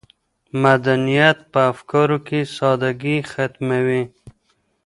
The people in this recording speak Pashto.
مدنیت په افکارو کې سادګي ختموي.